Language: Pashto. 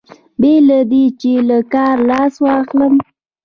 بې له دې چې له کاره لاس واخلم.